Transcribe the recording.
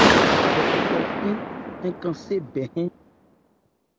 Dɛkhutɛ fi nkɛ nnɔ́ bɛn yɛn.